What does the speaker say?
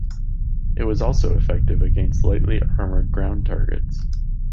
It was also effective against lightly armored ground targets.